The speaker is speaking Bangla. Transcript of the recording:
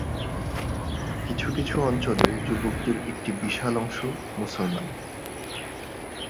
কিছু কিছু অঞ্চলে যুবকদের একটি বিশাল অংশ মুসলমান।